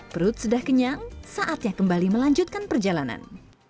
perut sudah kenyang saatnya kembali melanjutkan perjalanan